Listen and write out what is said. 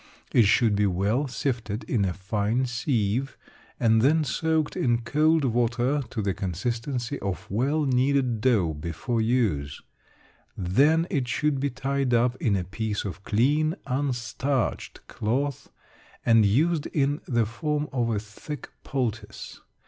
It should be well sifted in a fine sieve, and then soaked in cold water to the consistency of well kneaded dough before use. Then it should be tied up in a piece of clean, unstarched cloth, and used in the form of a thick poultice.